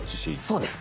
そうです。